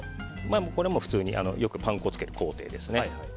これは普通にパン粉をつける工程です。